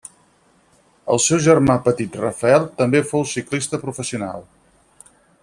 El seu germà petit Rafael també fou ciclista professional.